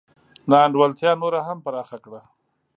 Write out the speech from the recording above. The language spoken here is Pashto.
نا انډولتیا نوره هم پراخه کړه.